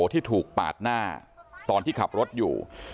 ที่ถูกปาดหน้าตอนที่ขับรถอยู่